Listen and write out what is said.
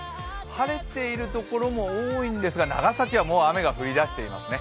晴れているところも多いんですが長崎はもう雨が降りだしていますね。